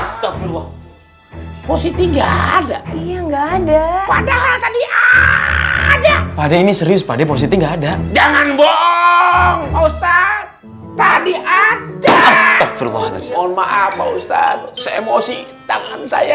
sampai jumpa di video selanjutnya